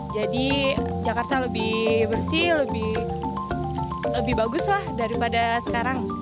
jadi jakarta lebih bersih lebih bagus lah daripada sekarang